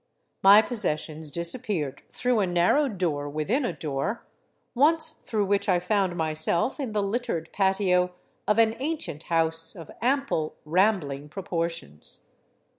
My possessions disappeared through a narrow door within a door, once through which I found myself in the littered patio of an ancient house of ample, rambling proportions.